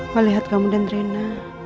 melihat kamu dan rena